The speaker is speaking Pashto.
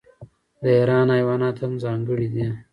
د ایران حیوانات هم ځانګړي دي.